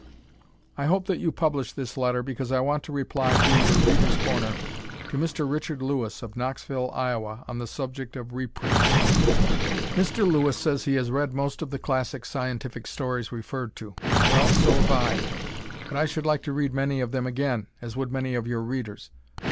I hope that you publish this letter because I want to reply through your "Readers' Corner" to Mr. Richard Lewis of Knoxville, Iowa, on the subject of reprints. Mr. Lewis says he has read most of the classic scientific stories referred to. Well, so have I, but I should like to read many of them again as would many of your Readers.